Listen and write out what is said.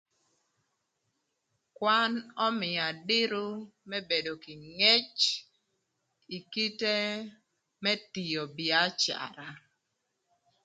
Kwan ömïa dïrü më bedo kï ngec ï kite më tio bïacara.